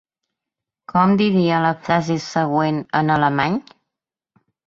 Com diria la frase següent en alemany?